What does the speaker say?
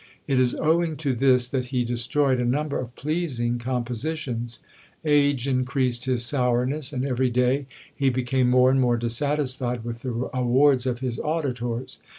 It is owing to this that he destroyed a number of pleasing compositions; age increased his sourness, and every day he became more and more dissatisfied with the awards of his auditors.